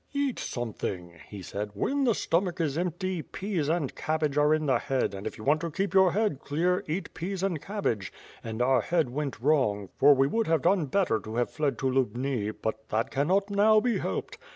"Eat something," he said, "when the stomach is empty, peas and ca])bage are in the head and if you want to keep your head clear eat poas and cabbage, and our head went wrong, for we would have done better to have fled to Lubni; but that cannot now be helped.